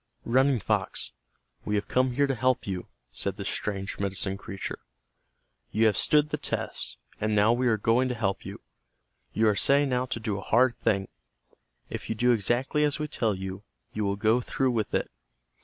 "Running Fox, we have come here to help you," said this strange medicine creature. "You have stood the test, and now we are going to help you. You are setting out to do a hard thing. If you do exactly as we tell you, you will go through with it.